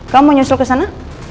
kamu nyusul ke sana